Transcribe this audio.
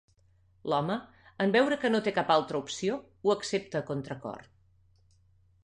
L'home, en veure que no té cap altra opció, ho accepta a contracor.